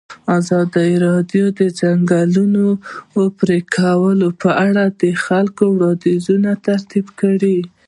ازادي راډیو د د ځنګلونو پرېکول په اړه د خلکو وړاندیزونه ترتیب کړي.